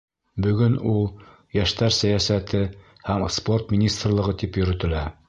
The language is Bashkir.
Бөгөн ул Йәштәр сәйәсәте һәм спорт министрлығы тип йөрөтөлә.